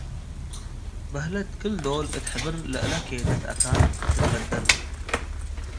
በሀለት ክል-ዶል እት ሕብር ለእለ ኬደት አካን ትትበደል።